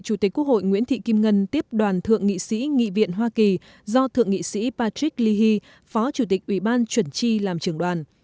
chủ tịch quốc hội nguyễn thị kim ngân tiếp đoàn thượng nghị sĩ nghị viện hoa kỳ do thượng nghị sĩ patrick leahy phó chủ tịch ủy ban chuẩn tri làm trưởng đoàn